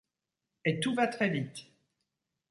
Et tout va très vite.